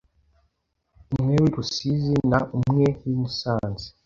umwe w’i Rusizi na umwe w’i Musanze.